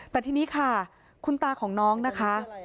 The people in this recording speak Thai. แต่ทีนี้ค่ะคุณตาของน้องนะคะ